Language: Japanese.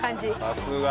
さすがだ。